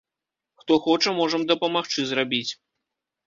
Хто хоча, можам дапамагчы зрабіць.